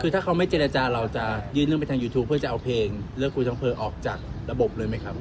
คือถ้าเขาไม่เจรจาเราจะยื่นเรื่องไปทางยูทูปเพื่อจะเอาเพลงเลือกคุยทั้งอำเภอออกจากระบบเลยไหมครับ